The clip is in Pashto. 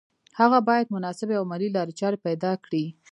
هغه باید مناسبې او عملي لارې چارې پیدا کړي